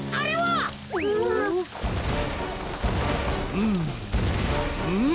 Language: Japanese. うんうん。